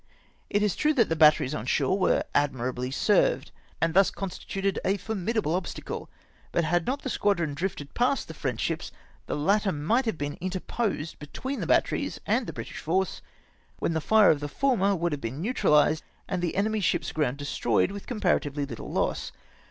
It is true that the batteries on shore were admirably served, and thus constituted a formidable obstacle ; but had not the squadron drifted past the French ships, the latter might have been interposed between the batteries and the British force, when the fire of the former would have been neutrahsed, and the enemy's ships aground de stroyed with comparatively httle loss.